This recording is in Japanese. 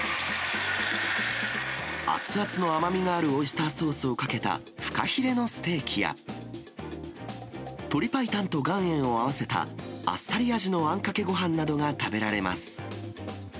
熱々の甘みのあるオイスターソースをかけたフカヒレのステーキや、鶏白湯と岩塩を合わせた、あっさり味のあんかけごはんなどが食べられます。